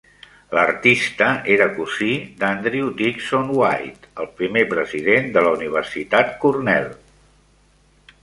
L'artista era cosí d'Andrew Dickson White, el primer president de la Universitat Cornell.